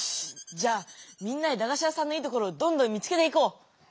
じゃあみんなでだがし屋さんのいいところをどんどん見つけていこう！